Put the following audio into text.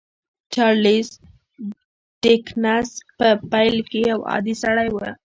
چارليس ډيکنز په پيل کې يو عادي سړی و.